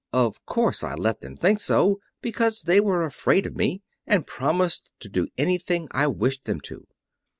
Of course I let them think so, because they were afraid of me, and promised to do anything I wished them to.